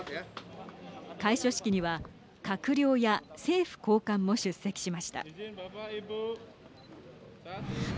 開所式には閣僚や政府高官も出席しました。